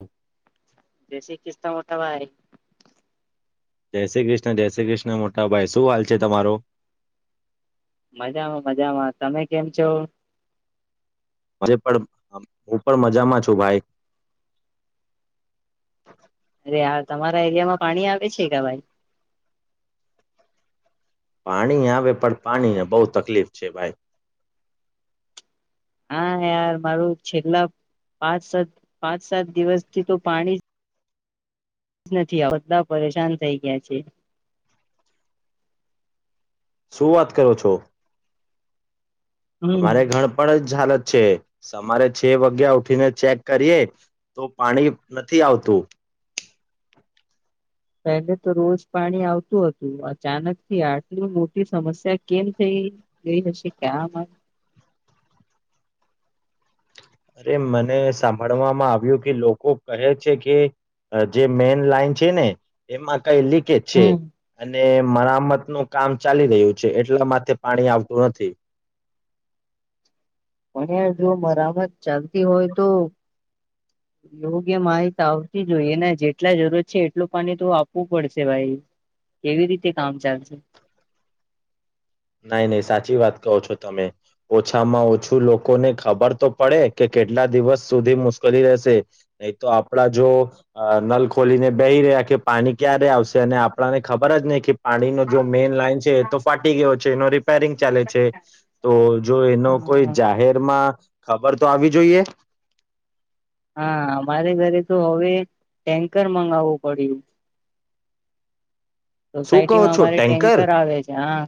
હમ બેસી ખિસ્તા મોટા ભાઈ જય શ્રી કૃષ્ણ જય શ્રી કૃષ્ણ મોટા ભાઈ શું હાલ છે તમારો મજામાં મજામાં તમે કેમ છો હજ પણ હું પણ મજામાં છું ભાઈ અરે આ તમારા એરિયામાં પાણી આવે છે કે ભાઈ પાણી આવે પણ પાણીને બહુ તકલીફ છે ભાઈ હા યાર મારું છેલ્લા પાંચ સાત પાંચ સાત દિવસથી તો પાણી નથી આ બધા પરેશાન થઈ ગયા છે શું વાત કરો છો હમ અમારે ઘણ પણ જ હાલત છે સરે છે વાગ્યા ઉઠીને ચેક કરીએ તો પાણી નથી આવતું પહેલે તો રોજ પાણી આવતું હતું અચાનક થી આટલી મોટી સમસ્યા કેમ થઈ ગઈ હશે ક્યામાં અરે મને સાંભળવામાં આવ્યું કે લોકો કહે છે કે જે મેન લાઈન છે ને એમાં કઈ લીકેેજ છે હમ અને મરામત નું કામ ચાલી રહ્યું છે એટલા માટેથે પાણી આવતું નથી પણ જો મરામત ચાલતી હોય તો યોગ્ય માહિત આવતી જોઈ એના જેટલા જરૂરત છે એટલું પાણી તો આપવું પડશે ભાઈ કેવી રીતે કામ ચાલશે નહી નહી સાચી વાત કહો છો તમે ઓછામાં ઓછું લોકોને ખબર તો પડે કે કેટલા દિવસ સુધી મુશ્કેલી રહેશે નહી તો આપડા જો નલ ખોલીને બેહી રહ્યા કે પાણી ક્યારે આવશે અને આપણાને ખબર જ નહી કે પાણીનો જો મેઈન લાઈન છે એ તો ફાટી ગયો છે એ રિપેરિંગ ચાલે છે તો જો એનો કોઈ હા જાહેરમાં ખબર તો આવી જોઈએ હા અમારે ઘરે તો હવે ટેન્કર મગાવવું પડ્યું શું સોસાયટી કહો માં છો અમારે ટેન્કર આવે છે હા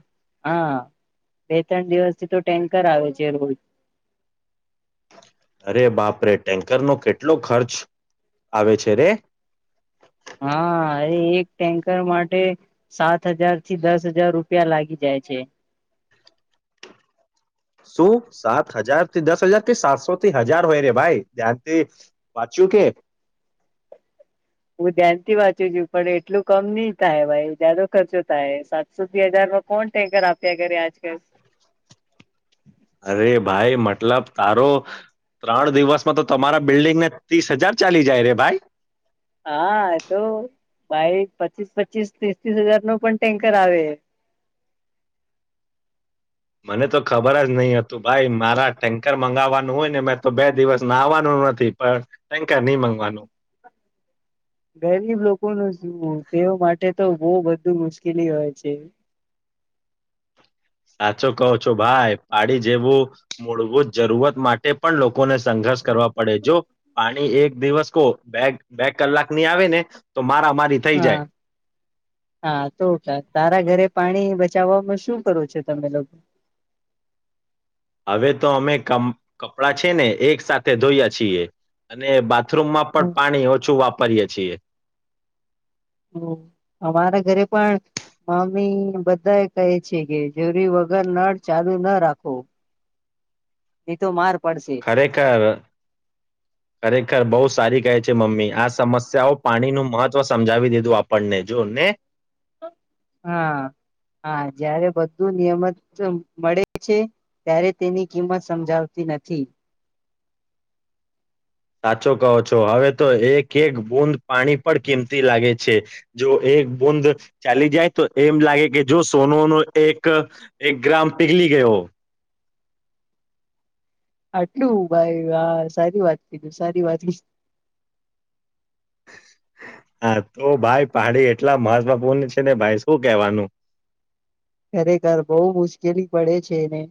હા બે ત્રણ દિવસથી તો ટેન્કર આવે છે રોજ અરે બાપ રે ટેન્કર નો કેટલો ખર્ચ આવે છે રે હા એ એક ટેન્કર માટે સાત હજાર થી દસ હજાર રૂપિયા લાગી જાય છે શું સાત હજાર થી દસ હજાર કે સાતસોથી હજાર હોય રે ભાઈ ધ્યાનથી વાંચ્યું કે હું ધ્યાનથી વાંચું છું પણ એટલું કમ નહી થાય ભાઈ જાદો ખર્ચો થાય સાતસોી હજારમાં કોણ ટેન્કર આપ્યા ઘે આજકાલ અરે ભાઈ મતલબ તારો ત્રણ દિવસમાં તો તમારા બિલ્ડિંગને ત્રીસ હજાર ચાલી જાય રે ભાઈ હા એ તો ભાઈ પચીસ પચીસ ત્રીસ ત્રીસ હજાર નો પણ ટેન્કર આવે મને તો ખબર જ નહ હતું ભાઈ મારા ટેન્કર મગાવવાનું હોય ને મે તો બે દિવસમાં આવવાનું નથી પણ ટેન્કર નહી મગવાનું ગરીબ લોકોનું શું તેઓ માટે તો બહ બધું મુશ્કેલી હોય છે સાચો કહો છો ભાઈ પાડી જેવું મૂળભૂત જરૂરત માટે પણ લોકોને સંઘર્ષ કરવા પડે જો પાણી એક દિવસ કો બે બે કલાક ની આવે ને તો મારા મારી થઈ જાય હા હા તો તારા ઘરે પાણી ચાવામાં શું કરો છો તમે લોકો હવે તો અમે કપડાં છે ને એક સાથે ધોયા છીએ અને બાથરૂમમાં હમ પણ પાણી ઓછું વાપર પિયા છીએ હ અમારા ઘરે પણ મમ્મી બધા એ કહે છે કે જરૂરી વગર નળ ચાલુ ના રાખો ન તો માર પડશે ખરેખર ખરેખર બહુ સારી કહે છે મમ્મી આ સમસ્યાઓ પાણી નું મહત્વ સમજાવી દીધું આપણને જો ને હા હા જારે બધું નિયમિત મળે છે ત્યારે તેની કિંમત સમજાવતી નથી સાચો કહો છો હવે તો એક એક બુંદ પાણી પણ કિંમતી લાગે છે જો એક બુંદ ચાલી જાય તો એમ લાગે કે જો સોનો ન એક એક ગ્રામ પીગલી ગયો આટલું ભાઈ હા સારી વાત કીધું સારી વાત હા તો ભાઈ પાડી એટલા મહત્વપૂર્ણ છે ને ભાઈ શું કેવાનું ખરેખર બહુ મુશ્કેલી પડે છે એને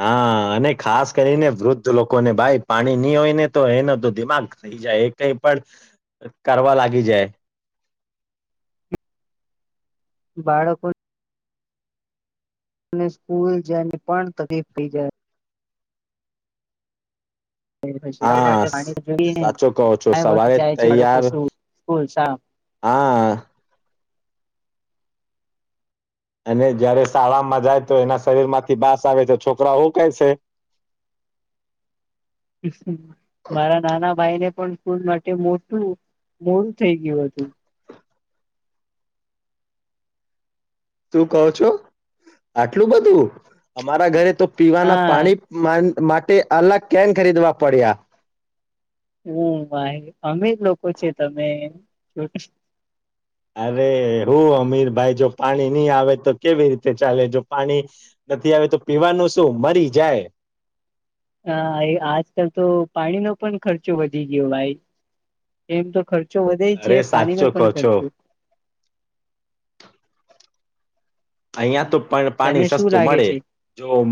હા અને ખાસ કરીને વૃદ્ધ લોકોને ભાઈ પાણી નહી હોય ને તો એનો તો દિમાગ થઈ જાય એ કઈ પણ કરવા લાગી જાય બાળકો અને સ્કૂલ જાયને પણ તકફ થઈ જાય હા માટે સ- જોઈ સાચો કહો છો મે વખત સવારે જાય તૈયાર છેડુંશું સ્ૂલા હા અને જયારે શાળામાં જાય તો એના શરીર માંથી બાસ આવે તો છોકરા હોું ક છે મારા નાના ભાઈ ને પણ સ્કૂલ માટે મોટું મોડ થઈ ગયું હતું તું કો છો આટલું બધું અમારા ઘરે તો પીવાના હા પાણી માન માટે અલગ કેન ખરીદવા પડ્યા [unintelligible] અમે લોકો છે તમે અરે હું અમીરભાઈ જો પાણી ની આવે તો કેવી રીતે ચાલે જો પાણી નથી આવે તો પીવાનું શું મરી જાય હા એ આજકાલ તો પાણી નો પણ ખર્ચો વધી ગયો ભાઈ એમ તો ખર્ચ ખર્ચો વધે અરે છે પાણી નો સાચો કહો પણ છો ખર્ચો અહિયાં તો પણ તને પાણી શું સસ્તું લાગે મળે છે જો [inaudible]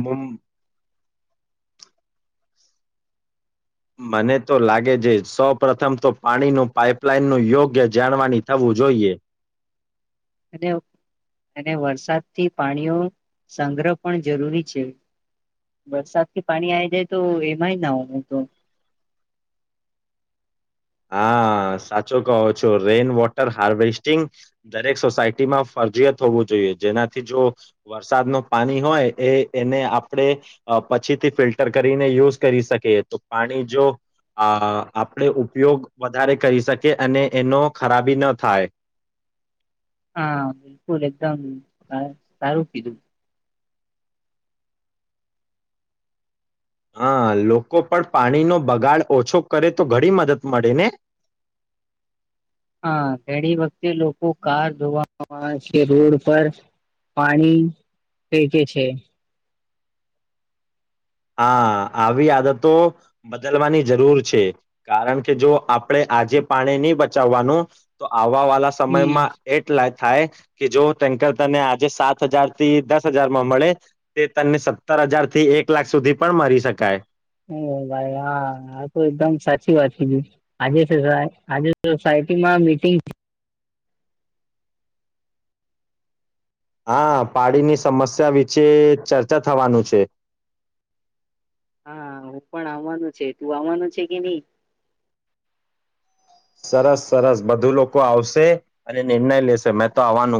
મને તો લાગે છે સૌ પ્ર્રથમ તો પાણીનું પાઇપલાઇનનું યોગ્ય જાણવાની થવું જોઈએ અને અને વરસાદ થી પાણીઓ સંગ્રહ પણ જરૂરી છે વરસાદ થી પાણી આવી જાય તો એમાંય [unintelligible] હા સાચો કહો છો રેઈન વોટર હાર્વેસ્ટિંગ દરેક સોસાયટીમાં ફરજીિયાત હોવું જોઈએ જેનાથી જો વરસાદ ન પાણી હોય એ એને આપણે પછીથી ફિલ્ટર કરીને યુઝ કરી શકીએ તો પાણી અ જો આપણે ઉપયોગ વધારે કરી શકે અને એનો ખરાબી ન થાય હા બિલકુલ એકદમ સારું કીધું હા લોકો પણ પાણીનો બગાડ ઓછો કરે તો ઘણી મદદ મળે ને હા ઘણી વખતે લોકો કાર ધો [unintelligible] રોડ પર પાણી વેચે છે હા આવી આદતો બદલવાની જરૂર છે કારણ કે જો આપણે આજે પાણી ની બચાવવાનું તો આવ આ વાલા સમયમાં એટલા જ થાય કે જો ટેન્કર તને આજે સાત હજાર થી દસ હજારમાં મળે તે તને સત્તર હજાર થી એક કેલાક સુધી પણ મરી શકાય ઓ ભાઈ હા હ તો એકદમ સાચી વાત કીધી આજે છે સા આજે સટીમાં મીટંગ હા પાડીની સમસ્યા વિશેે ચર્ચા થવાનું છે હા હું પણ આવવાનું છે તું આવવાનું છે કે ની સરસ સરસ બધું લોકો આવશે અને નિર્ણય લેશે મેં તો આવાનો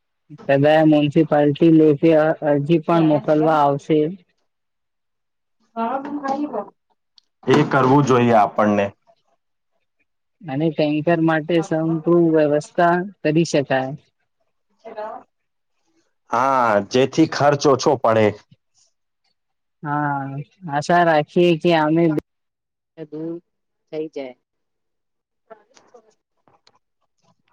[unintelligible] પાર્ટી [inaudible] અરજી પણ મોકલવા આવશે [unintelligible] એ કરવું જોઈએ આપણને [unintelligible] ચર માટે [unintelligible] વ્યવસ્થા કરી શકાય હા જેથી ખર્ચ ઓછો પડે હા આશા રાખીએ કે [inaudible] દૂર થઈ જાય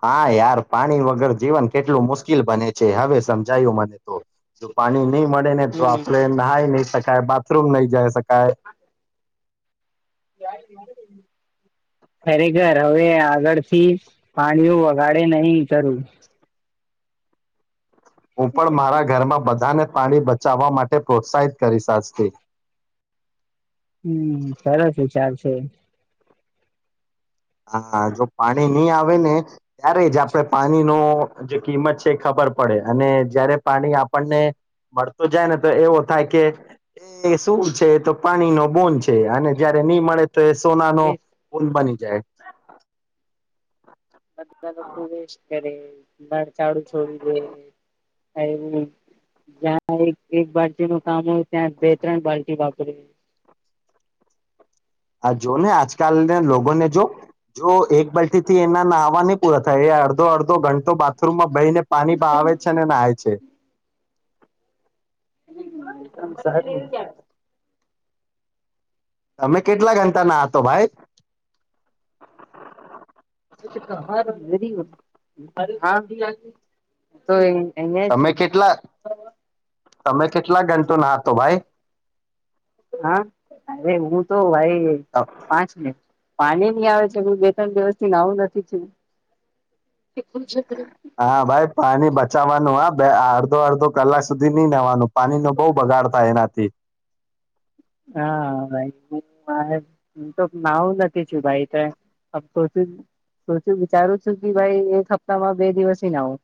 હા યાર પાણી વગર જીવન કેટલું મુશ્કેલ બને છે હવે સમજાયું મને તો જો પાણી નઈ મળે ને તો હમ આપણે નાઈ ની શકે કાય બાથરૂમ નઈ જાય સકાય [inaudible] ખરેખર હવે આગળથી પાણીઓ વગાડે નહિ કરું હું પણ મારા ઘરમાં બ બધાને પાણી બચાવવા માટે પ્રોત્સાહિત કરી આજથી હમ સરસ વિચાર છે હા જો પાણી ની આવે ને ત્યારે જ આપણે પાણીનો જે કિંમત છે એ ખબર પડે અને જયારે પાણી આપણને મળતુ જાય ને તો એવો થાય કે એ શું છે તો પાણીનો બોન છે અને જયારે ની મળે તો એ સોના નો પૂલ બની જ બધા લોકો ખ વેસ્ટ કરે બરા ચડું છોડી દે એવું જ્યાં એક એક બાલ્ટી નું કામ હોય ત્યાં બે ત્રણ બાલ્ટી વાપરી હ જો ને આજકાલના લોકોને જો જો એક પલ્ટી થી એના નાહવા નહી પૂરા થાય એ અડધો અડધો ઘંટો બાથરૂમમાં બેહી ને પાણી પણ આવે છે ને નાાય છે એકમ સહેાર તમે કેટલા ઘંટા ના હતો ભાઈ તો એને તમે છે કેટલા તમે કેટલા ઘંટો નાહતો ભાઈ હા અરે હું તો ભાઈ પાંચ મિનિટ પાણી નની આવે છે હ બે ત્રણ દિવસ થી નવું નથી થું હા ભાઈ પાણી બચાવાનું આ બે અડધો અડધો કલાક સુધી નઈ નવાનું પાણી નો બહ બગાડ થાય એના તે હા ભાઈ હ મારે હું તો નાવું નથી છું ભાઈ વિચારું છું કે ભાઈ એક હપ્તામાં બે દિવસ નાવું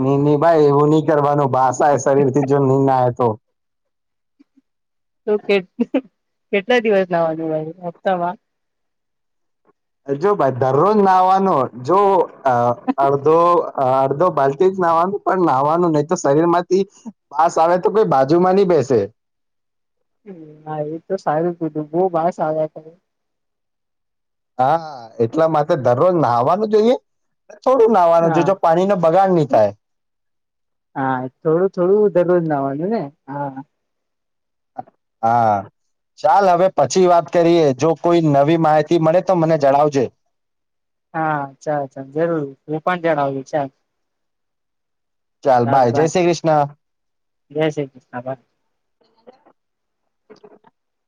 નિનીની ભાઈ એવું નહી કરવાનું ભાષાાય શરીર થી જો નિનીના તો તો કે કેટલા દિવસ ના વાજુ ભાઈ હપ્તામાં હ જો ભાઈ દરરોજ નાવાનો જો આ અડધો અડધો ભલતી જ નાહવાનું પણ નાહવાનું નહી તો શરીર માંથી પાસ આવે તો કોઈ બાજુમાં નહી બેસે ના એ તો સારું જ બીધું બહ બાર સાર્યા હા એટલા માટે દરરોજ નાહવાનું જોઈએ થોડું નાહવાનું હા જોઈએ જો પાણીનો બગાડ નહી થાય હા થોડું થોડું દરરોજ નાવાનું ને હા હા ચાલ હવે પછી વાત કરીએ જો કોઈ નવી માહિતી મળે તો મને જણાવજે હા ચાલ ચાલ જરૂર રું પણ જડ આવજ ચાલ ચાલ બાય જય ભાઈ શ્રી કૃષ્ણ જય શ્રી કૃષ્ણ ભાઈ [inaudible]